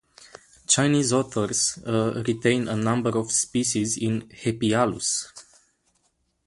Chinese authors retain a number of species in "Hepialus".